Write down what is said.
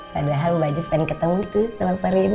padahal bajis pengen ketemu tuh sama pak rendy